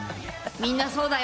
みんなそうだよ。